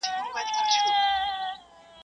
د خالي دېگ ږغ لوړ وي.